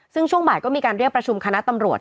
ซึ่งช่วงบ่ายก็มีการเรียกประชุมคณะตำรวจ